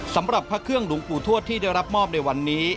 สำหรับพระเครื่องหลวงปู่ทวดที่ได้รับมอบในวันนี้